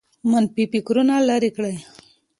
منفي فکرونه لیرې کړئ.